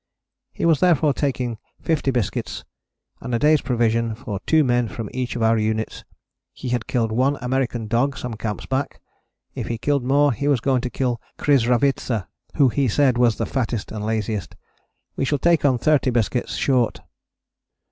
He was therefore taking fifty biscuits, and a day's provisions for two men from each of our units. He had killed one American dog some camps back: if he killed more he was going to kill Krisravitza who he said was the fattest and laziest. We shall take on thirty biscuits short."